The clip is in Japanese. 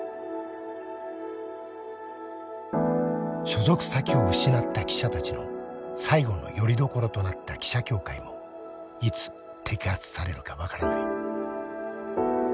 所属先を失った記者たちの最後のよりどころとなった記者協会もいつ摘発されるか分からない。